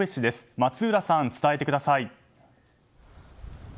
松浦さん、伝えてください。